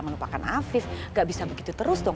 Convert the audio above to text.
melupakan afif gak bisa begitu terus dong